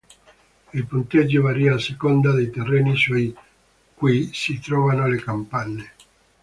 Il punteggio varia a seconda dei terreni su cui si trovano le capanne.